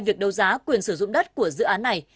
việc đấu giá quyền sử dụng đất của dự án này